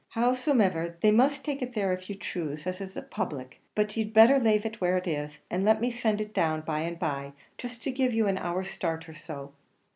Howsomever, they must take it there if you choose, as it's a public; but you'd better lave it where it is, and let me send it down by and by jist to give you an hour's start or so."